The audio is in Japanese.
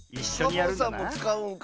サボさんもつかうんか。